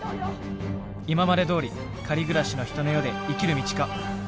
今までどおり借り暮らしの人の世で生きる道か？